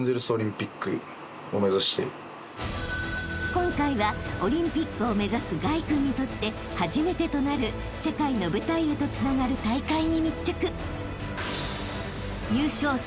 ［今回はオリンピックを目指す凱君にとって初めてとなる世界の舞台へとつながる大会に密着］